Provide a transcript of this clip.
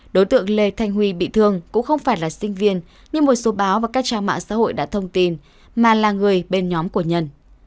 đối tượng lê thanh huy bị thương cũng không phải là sinh viên nhưng một số báo và các trang mạng xã hội đã thông tin mà là người bên nhóm của nhân